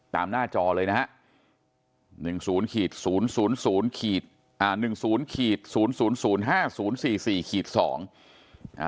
ตามหน้าจอเลยนะฮะ